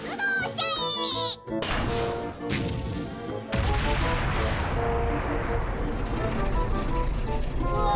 うわ！